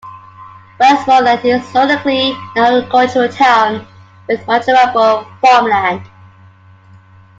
Westmoreland is historically an agricultural town, with much arable farmland.